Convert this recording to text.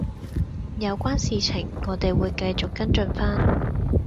有關事情我哋會繼續跟進番